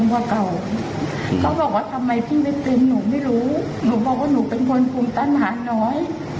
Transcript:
ผมไม่รู้หนูบอกว่าหนูเป็นคนภูมิต้านหาน้อย